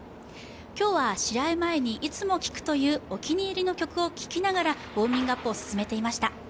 今日は試合前に、いつも聴くというお気に入りの曲を聴きながらウォーミングアップを進めていました。